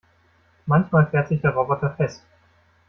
Manchmal fährt sich der Roboter fest.